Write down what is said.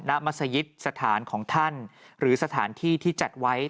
มัศยิตสถานของท่านหรือสถานที่ที่จัดไว้